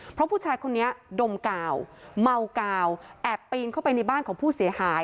เพราะผู้ชายคนนี้ดมกาวเมากาวแอบปีนเข้าไปในบ้านของผู้เสียหาย